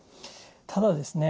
ただですね